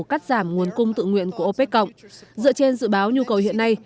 các giảm nguồn cung tự nguyện của opec dựa trên dự báo nhu cầu hiện nay